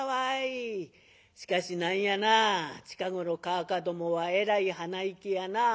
しかし何やな近頃かあかどもはえらい鼻息やな。